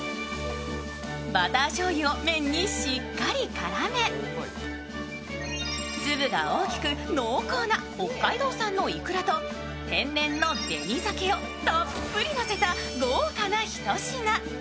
バターしょうゆを麺にしっかり絡め、粒が大きく濃厚な北海道産のいくらと天然のべにざけをたっぷりのせた豪華なひと品。